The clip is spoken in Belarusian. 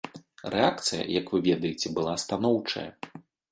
Рэакцыя, як вы ведаеце, была станоўчая.